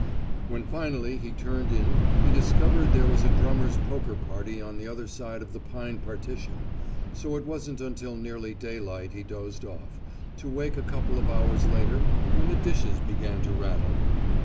When finally he turned in he discovered there was a drummers' poker party on the other side of the pine partition, so it wasn't until nearly daylight he dozed off, to wake a couple of hours later when the dishes began to rattle.